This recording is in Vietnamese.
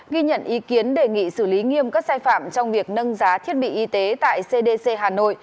ghi nhận ý kiến đề nghị xử lý nghiêm các sai phạm trong việc nâng giá thiết bị y tế tại cdc hà nội